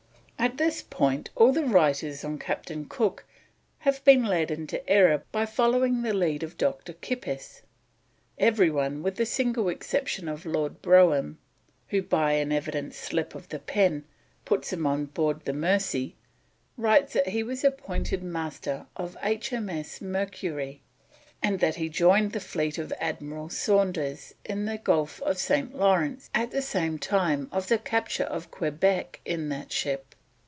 At this point all the writers on Captain Cook have been led into error by following the lead of Dr. Kippis. Everyone (with the single exception of Lord Brougham, who by an evident slip of the pen puts him on board the Mersey) writes that he was appointed Master of H.M.S. Mercury, and that he joined the fleet of Admiral Saunders in the Gulf of St. Lawrence at the time of the capture of Quebec in that ship.